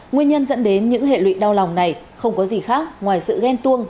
nguyên nhân dẫn đến những hệ lụy đau lòng này không có gì khác ngoài sự ghen tuông